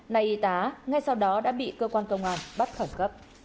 nay y tá ngay sau đó đã bị cơ quan tổ chức